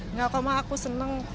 enggak kok ma aku seneng